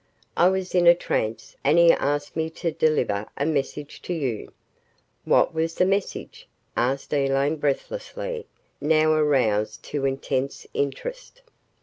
I was in a trance and he asked me to deliver a message to you." "What was the message?" asked Elaine breathlessly, now aroused to intense interest.